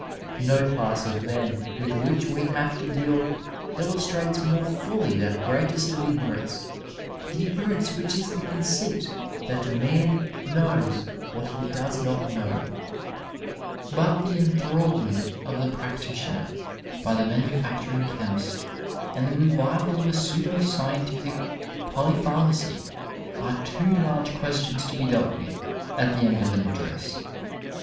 No class of men with which we have to deal illustrates more fully that greatest of ignorance — the ignorance which is the conceit that a man knows what he does not know ; but tiie enthralment of the practitioner by the manufacturing chemist and the revival of a pseudo* scientific polypharmacy are too large questions to be dealt with at the end of an address.